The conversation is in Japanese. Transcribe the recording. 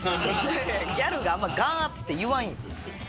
ギャルがあんま眼圧って言わんよ。